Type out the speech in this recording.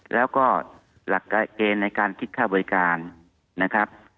แล้วก็หลักเกณฑ์ในการคิดค่าบริการนะครับ